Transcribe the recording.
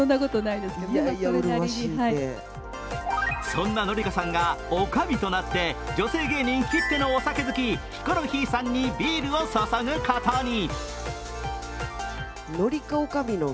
そんな紀香さんが女将となって女性芸人きってのお酒好き、ヒコロヒーさんにビールを注ぐことに。